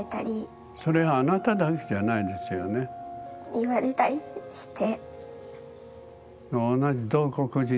言われたりして。